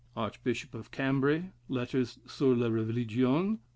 '"* Archbishop of Cambray: Lettres sur la Religion, p.